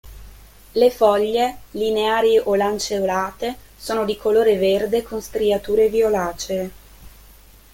Le foglie, lineari o lanceolate, sono di colore verde con striature violacee.